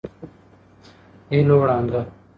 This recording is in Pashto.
هیلوړانګه